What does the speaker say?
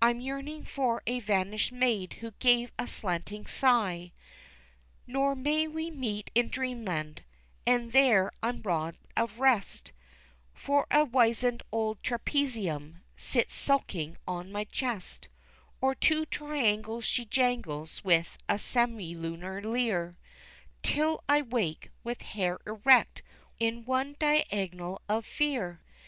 I'm yearning for a vanished maid who gave a slanting sigh. Nor may we meet in Dreamland: e'en there I'm robbed of rest, For a wizened old Trapezium sits sulking on my chest; Or two triangles she jangles with a semilunar leer, Till I wake with hair erect in one diagonal of fear!